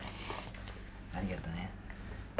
ありがとうね。